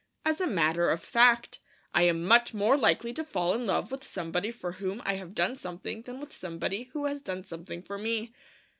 As a matter of fact, I am much more likely to fall in love with somebody for whom I have done something than with somebody who has done something for me.